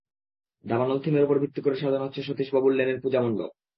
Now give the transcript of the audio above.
দাবানল থিমের ওপর ভিত্তি করে সাজানো হচ্ছে সতীশ বাবু লেনের পূজামণ্ডপ।